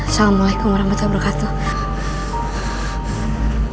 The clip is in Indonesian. assalamualaikum warahmatullah wabarakatuh